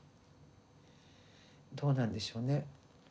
どうなんでしょうね。